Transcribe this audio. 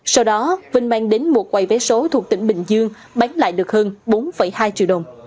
sau đó vinh mang đến một quầy vé số thuộc tỉnh bình dương bán lại được hơn bốn hai triệu đồng